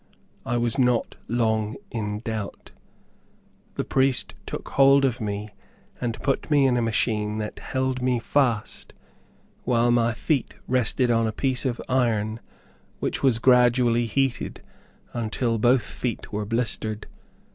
I was not long in doubt. The priest took hold of me and put me into a machine that held me fast, while my feet rested on a piece of iron which was gradually heated until both feet were blistered.